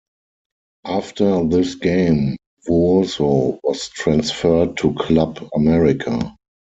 After this game, Vuoso was transferred to Club America.